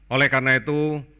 oleh karena itu